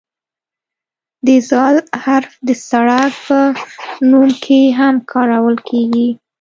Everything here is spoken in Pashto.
د "ذ" حرف د سړک په نوم کې هم کارول کیږي.